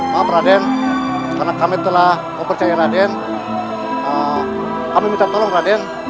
maaf raden karena kami telah mempercaya raden kami minta tolong raden